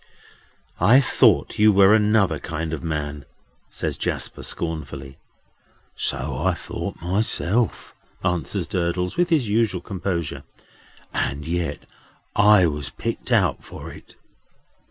"I thought you were another kind of man," says Jasper, scornfully. "So I thought myself," answers Durdles with his usual composure; "and yet I was picked out for it."